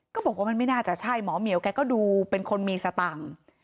บอกว่ามันไม่น่าจะใช่หมอเหมียวแกก็ดูเป็นคนมีสตังค์